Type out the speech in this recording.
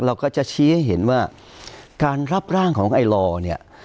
เราก็จะชี้ให้เห็นว่าการรับร่างของไอลอร์เนี่ย